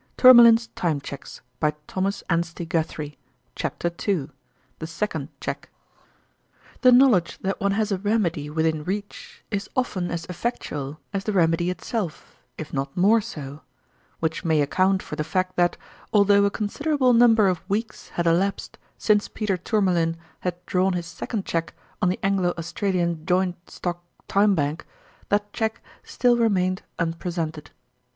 A Cosy Corner. "Sitting Out." Fresh Discoveries. Twice a Hero. Bewilderment and Bathos. THE knowledge that one lias a remedy with in reach is often as effectual as the remedy it self, if not more so ; which may account for the fact that, although a considerable number of weeks had elapsed since Peter Tourmalin had drawn his second cheque on the Anglo Australian Joint Stock Time Bank, that cheque still remained unpresented.